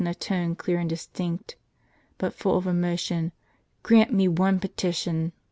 Sir," she said in a tone clear and distinct, but full of emotion, " grant me one petition.